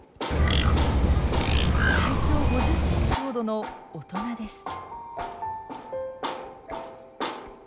体長５０センチほどの大人です。